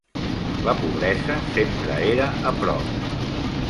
La pobresa sempre era a prop.